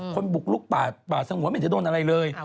คนบุกลุกป่าป่าสงวนไม่เห็นจะโดนอะไรเลย